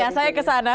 jauh ya saya kesana